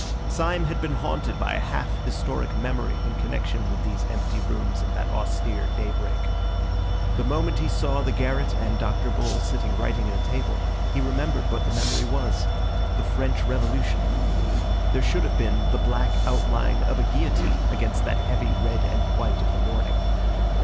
Syme had been haunted by a half historic memory in connection with these empty rooms and that austere daybreak. The moment he saw the garret and Dr. Bull sitting writing at a table, he remembered what the memory was—the French Revolution. There should have been the black outline of a guillotine against that heavy red and white of the morning.